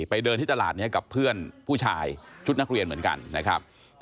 เดินที่ตลาดนี้กับเพื่อนผู้ชายชุดนักเรียนเหมือนกันนะครับ